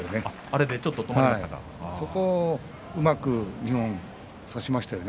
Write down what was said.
あれでちょっと止まりましたか。